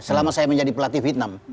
selama saya menjadi pelatih vietnam